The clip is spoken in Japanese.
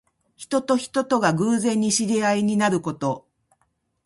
人と人とが偶然に知り合いになること。